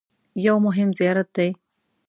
یو مهم زیارت دی.